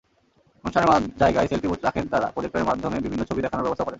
অনুষ্ঠানের জায়গায় selfie booth রাখেন তাঁরা, প্রজেক্টরের মাধ্যমে বিভিন্ন ছবি দেখানোর ব্যবস্থাও করেন।